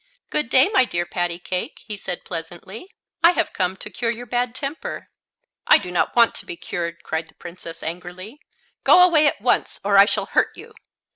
"Good day, my dear Pattycake," he said pleasantly; "I have come to cure your bad temper." "I do not want to be cured!" cried the Princess, angrily. "Go away at once, or I shall hurt you!"